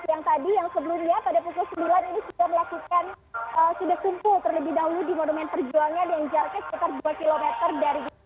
pukul dua belas yang tadi yang sebelumnya pada pukul sepuluh ini sudah melakukan sudah kumpul terlebih dahulu di modal perjualannya yang jauhnya sekitar dua km dari gedung sate